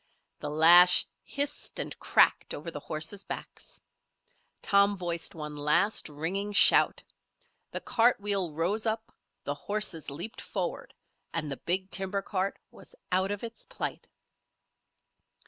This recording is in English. The lash hissed and cracked over the horses' backs. Tom voiced one last, ringing shout. The cart wheel rose up, the horses leaped forward, and the big timber cart was out of its plight.